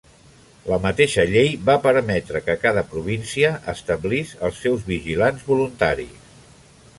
La mateixa llei va permetre que cada província establís els seus "Vigilants voluntaris".